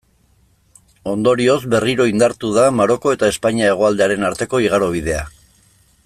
Ondorioz, berriro indartu da Maroko eta Espainia hegoaldearen arteko igarobidea.